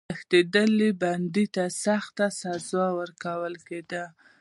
تښتېدلي بندي ته سخته سزا ورکول کېده.